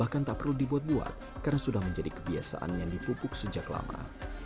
dan keluar karena sudah menjadi kebiasaan yang dipupuk sejak lama